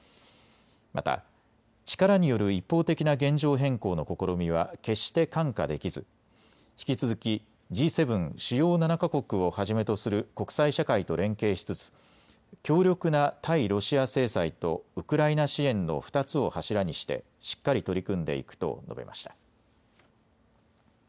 また、力による一方的な現状変更の試みは決して看過できず引き続きＧ７・主要７か国をはじめとする国際社会と連携しつつ強力な対ロシア制裁とウクライナ支援の２つを柱にしてしっかり取り組んでいくと述べました。